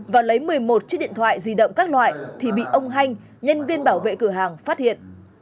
và lấy một mươi một chiếc điện thoại di động các loại thì bị ông hanh nhân viên bảo vệ cửa hàng phát hiện